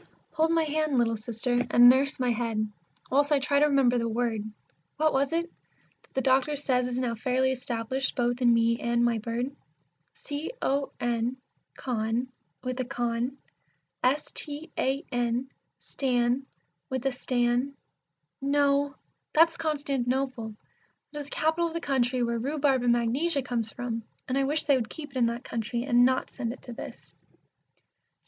Hold my hand, little Sister, and nurse my head, whilst I try to remember the word, What was it? that the doctor says is now fairly established both in me and my bird. C O N con, with a con, S T A N stan, with a stan No! That's Constantinople, that is The capital of the country where rhubarb and magnesia comes from, and I wish they would keep it in that country, and not send it to this.